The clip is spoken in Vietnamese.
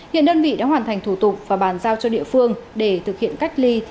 hiện đơn vị đã hoàn thành thủ tục và bàn giao cho địa phương để thực hiện cách ly theo quy định